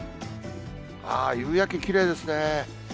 ああ、夕焼け、きれいですね。